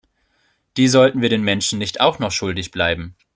Die sollten wir den Menschen nicht auch noch schuldig bleiben!